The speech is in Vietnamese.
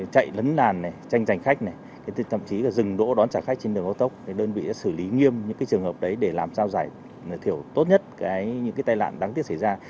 chạy lấn làn này tranh giành khách này thậm chí là dừng đỗ đón trả khách trên đường cao tốc đơn vị đã xử lý nghiêm những trường hợp đấy để làm sao giải thiểu tốt nhất những tai nạn đáng tiếc xảy ra